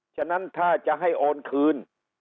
ฉะนั้นถ้าจะให้โอนคืน